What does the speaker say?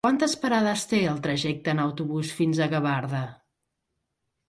Quantes parades té el trajecte en autobús fins a Gavarda?